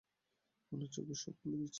আপনার চোখই সব বলে দিচ্ছে।